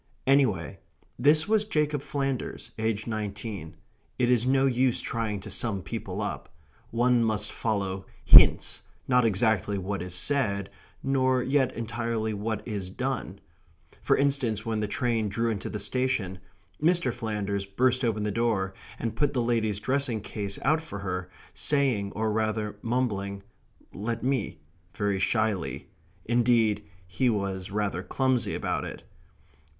Anyhow, this was Jacob Flanders, aged nineteen. It is no use trying to sum people up. One must follow hints, not exactly what is said, nor yet entirely what is done for instance, when the train drew into the station, Mr. Flanders burst open the door, and put the lady's dressing case out for her, saying, or rather mumbling: "Let me" very shyly; indeed he was rather clumsy about it.